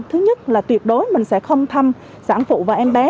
thứ nhất là tuyệt đối mình sẽ không thăm sản phụ và em bé